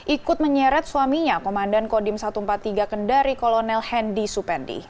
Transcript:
ikut menyeret suaminya komandan kodim satu ratus empat puluh tiga kendari kolonel hendy supendi